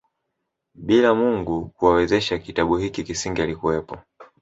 Bila Mungu kuwawezesha kitabu hiki kisingelikuwepo